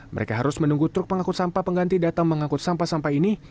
mereka harus menunggu truk pengangkut sampah pengganti datang mengangkut sampah sampah ini